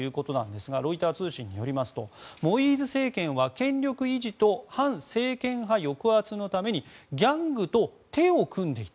ロイター通信によりますとモイーズ政権は権力維持と反政権派抑圧のためにギャングと手を組んでいた。